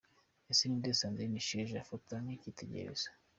Ese ni nde Sandrine Isheja afata nk’icyitegererezo?.